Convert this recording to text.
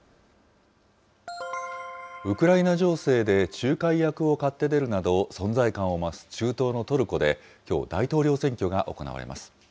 ウクライナ情勢で仲介役を買って出るなど、存在感を増す中東のトルコで、きょう、大統領選挙が行われます。